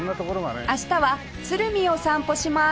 明日は鶴見を散歩します